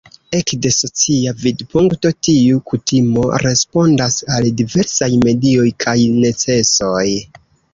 Ekde socia vidpunkto tiu kutimo respondas al diversaj medioj kaj necesoj.